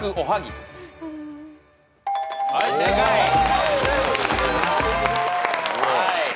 はい。